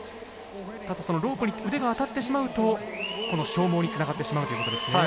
ただロープに腕が当たってしまうとこの消耗につながってしまうということですね。